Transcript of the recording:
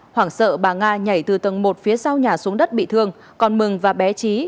hoảng sợ bà nga nhảy từ tầng một phía sau nhà xuống đất bị thương còn mừng và bé trí